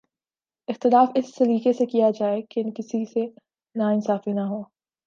اختلاف اس سلیقے سے کیا جائے کہ کسی سے ناانصافی نہ ہو